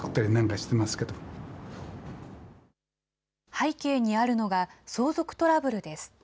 背景にあるのが、相続トラブルです。